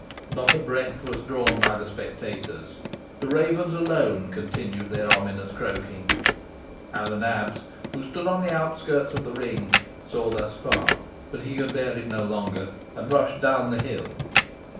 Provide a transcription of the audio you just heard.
Not a breath was drawn by the spectators. The ravens alone continued their ominous croaking. Hal o' Nabs, who stood on the outskirts of the ring, saw thus far but he could bear it no longer, and rushed down the hill.